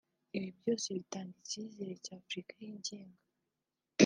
Ibi byose bitanga icyizere cya Afurika yigenga